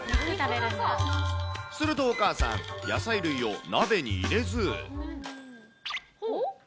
するとお母さん、野菜類を鍋に入れず。